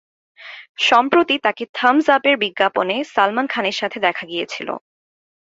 সম্প্রতি তাকে থামস-আপের বিজ্ঞাপনে সালমান খানের সাথে দেখা গিয়েছিল।